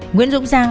nguyễn dũng giang